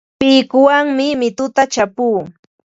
Pikuwanmi mituta chapuu.